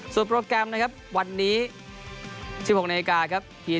ส่วนโปรแกรมนะครับวันนี้๑๖นาที